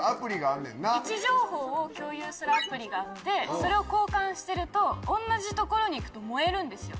位置情報を共有するアプリがあってそれを交換してると同じ所に行くと燃えるんですよ。